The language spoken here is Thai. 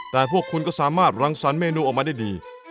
แต่พวกคุณก็สามารถรังสรรคเมนูออกมาได้ดี